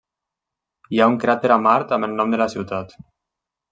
Hi ha un crater a Mart amb el nom de la ciutat.